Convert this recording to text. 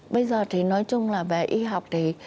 bây giờ thì nói chung là về y học thì